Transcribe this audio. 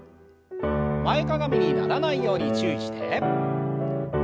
前かがみにならないように注意して。